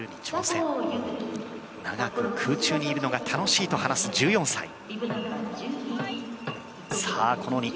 長く空中にいるのが楽しいと話す１４歳。